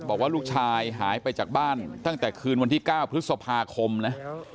บอกว่าลูกชายหายไปจากบ้านตั้งแต่คืนวันที่๙พฤษภาคมนะ